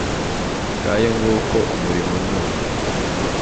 ngaho nguko umurimo ni uyu